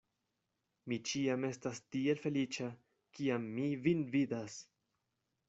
Mi ĉiam estas tiel feliĉa, kiam mi vin vidas!